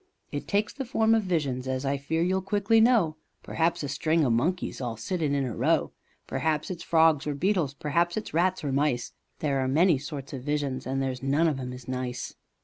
"It takes the form of visions, as I fear you'll quickly know; Perhaps a string o' monkeys, all a sittin' in a row, Perhaps it's frogs or beetles, perhaps it's rats or mice, There are many sorts of visions and there's none of 'em is nice."